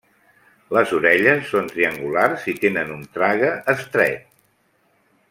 Les orelles són triangulars i tenen un trague estret.